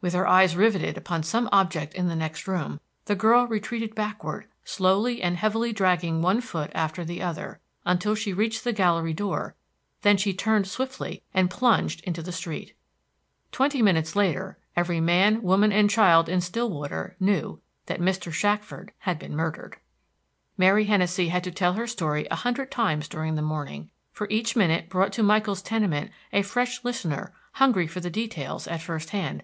With her eyes riveted upon some object in the next room, the girl retreated backward slowly and heavily dragging one foot after the other, until she reached the gallery door; then she turned swiftly, and plunged into the street. Twenty minutes later, every man, woman, and child in Stillwater knew that old Mr. Shackford had been murdered. Mary Hennessey had to tell her story a hundred times during the morning, for each minute brought to Michael's tenement a fresh listener hungry for the details at first hand.